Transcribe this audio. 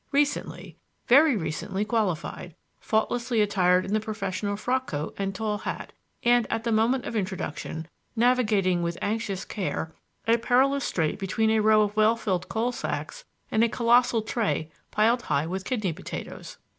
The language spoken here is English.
recently very recently qualified, faultlessly attired in the professional frock coat and tall hat, and, at the moment of introduction, navigating with anxious care a perilous strait between a row of well filled coal sacks and a colossal tray piled high with kidney potatoes.